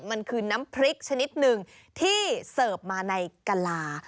มันคือน้ำพริกชนิดหนึ่งที่เสิร์ฟมาในกะลา